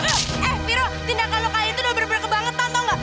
eh viro tindakan lo kali itu udah bener bener kebangetan tau gak